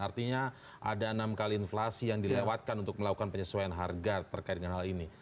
artinya ada enam kali inflasi yang dilewatkan untuk melakukan penyesuaian harga terkait dengan hal ini